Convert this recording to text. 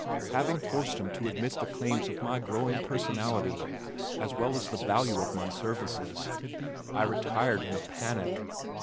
Having forced him to admit the claims of my growing personality as well as the value of my services, I retired in a panic.